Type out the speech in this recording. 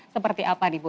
seperti apa di bu